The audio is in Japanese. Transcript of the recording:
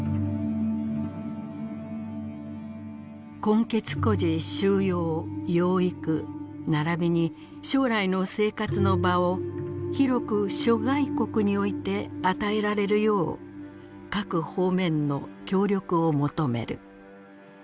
「混血孤児収容養育並びに将来の生活の場を広く諸外国において与えられるよう各方面の協力を求める」。